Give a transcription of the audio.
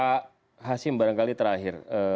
pak hasim barangkali terakhir